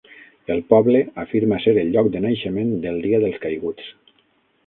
El poble afirma ser el lloc de naixement del Dia dels Caiguts.